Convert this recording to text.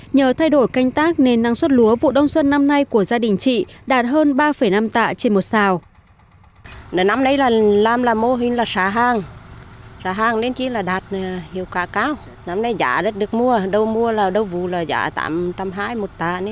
nhờ thay đổi canh tác nên năng suất lúa vụ đông xuân năm nay của gia đình chị đạt hơn ba năm tạ trên một xào